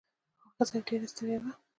خو ښځه ډیره ستړې وه.